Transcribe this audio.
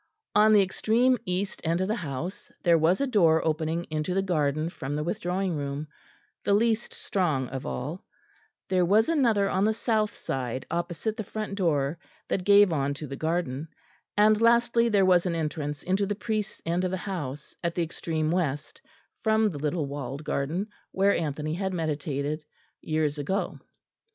On the extreme east end of the house there was a door opening into the garden from the withdrawing room, the least strong of all; there was another on the south side, opposite the front door that gave on to the garden; and lastly there was an entrance into the priests' end of the house, at the extreme west, from the little walled garden where Anthony had meditated years ago.